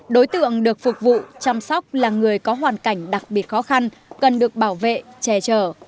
đối tượng được phục vụ chăm sóc là người có hoàn cảnh đặc biệt khó khăn cần được bảo vệ chè chở